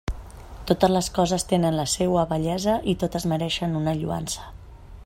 Totes les coses tenen la seua bellesa i totes mereixen una lloança.